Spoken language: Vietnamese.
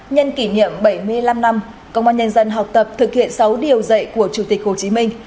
nhân kỷ niệm bảy mươi năm năm công an nhân dân học tập thực hiện sáu điều dạy của chủ tịch hồ chí minh